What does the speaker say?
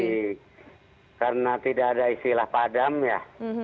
ini karena tidak ada istilah padam ya